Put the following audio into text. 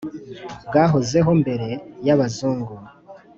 bwahozeho mbere y'Abazungu.